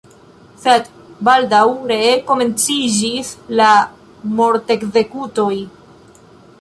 Sed baldaŭ ree komenciĝis la mortekzekutoj.